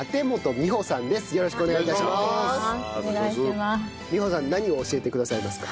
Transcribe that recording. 美穂さん何を教えてくださいますか？